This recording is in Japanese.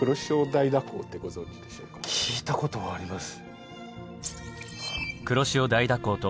聞いたことあります。